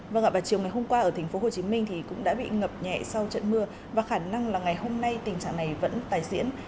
và ngạc bản chiều ngày hôm qua ở thành phố hồ chí minh thì cũng đã bị ngập nhẹ sau trận mưa và khả năng là ngày hôm nay tình trạng này vẫn tài diễn